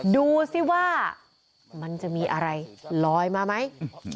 ดูสิว่ามันจะมีอะไรลอยมาไหม